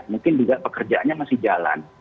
mungkin juga pekerjaannya masih jalan